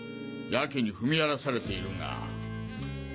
やけに踏み荒らされているが。